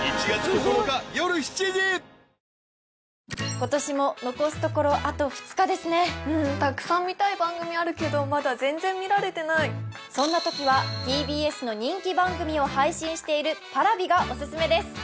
今年も残すところあと２日ですねたくさん見たい番組あるけどまだ全然見られてないそんなときはＴＢＳの人気番組を配信しているＰａｒａｖｉがオススメです